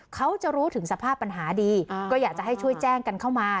เขาจะรู้ถึงสภาพปัญหาดีก็อยากจะให้ช่วยแจ้งกันเข้ามา